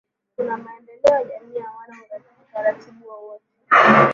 kuna maendeleo ya jamii hawana utaratibu wowote